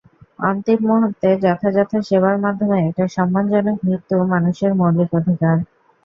অন্তিম মুহূর্তে যথাযথ সেবার মাধ্যমে একটা সম্মানজনক মৃত্যু মানুষের মৌলিক অধিকার।